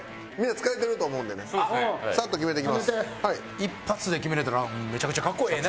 一発で決めれたらめちゃくちゃかっこええね。